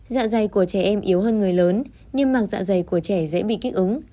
dạ dày của trẻ em yếu hơn người lớn nhưng màng dạ dày của trẻ dễ bị kích ứng